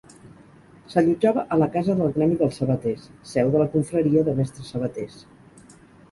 S'allotjava a la Casa del Gremi dels Sabaters, seu de la confraria de mestres sabaters.